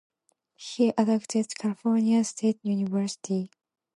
She attended California State University.